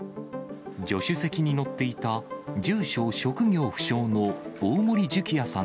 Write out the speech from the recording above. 助手席に乗っていた住所、職業不詳の大森樹輝也さん